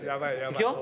いくよ。